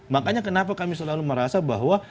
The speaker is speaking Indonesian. makanya kenapa kami selalu merasa bahwa